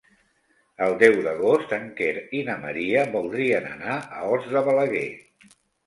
El deu d'agost en Quer i na Maria voldrien anar a Os de Balaguer.